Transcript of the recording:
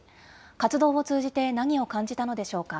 活動を通じて何を感じたのでしょうか。